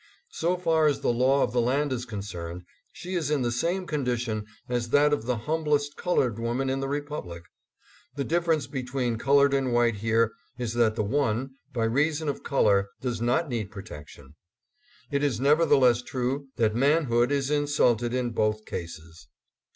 So far as the law of the land is con cerned, she is in the same condition as that of the humblest colored woman in the Republic. The differ ence between colored and white here is that the one, ADDRESS AT LINCOLN HALL. 661 by reason of color, does not need protection. It is nevertheless true that manhood is insulted in both cases.